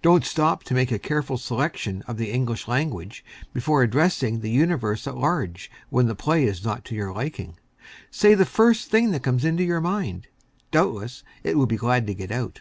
Don't stop to make a careful selection of the English language before addressing the universe at large when the play is not to your liking. Say the first thing that comes into your mind. Doubtless, it will be glad to get out.